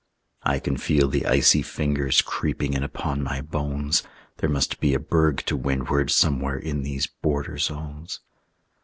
I can feel the icy fingers Creeping in upon my bones; There must be a berg to windward Somewhere in these border zones.